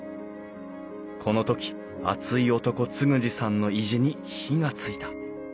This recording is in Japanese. この時熱い男嗣二さんの意地に火がついた